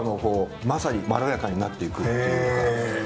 まさにまろやかになっていくっていうか。